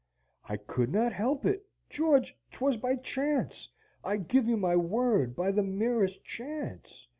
"I could not help it, George; 'twas by chance, I give you my word, by the merest chance.